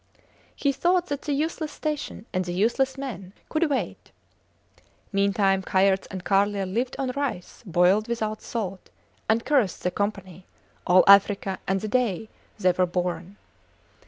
He thought that the useless station, and the useless men, could wait. Meantime Kayerts and Carlier lived on rice boiled without salt, and cursed the Company, all Africa, and the day they were born.